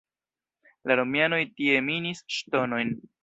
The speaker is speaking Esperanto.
La romianoj tie minis ŝtonojn.